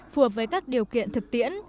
phù hợp với các điều kiện thực tiễn